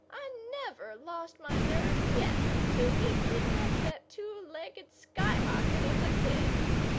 I never lost my nerve yet till we kidnapped that two legged skyrocket of a kid.